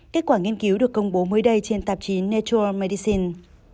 kết quả nghiên cứu được công bố mới đây trên tạp chí nature medicine